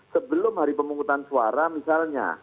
sebelum hari pemungutan suara misalnya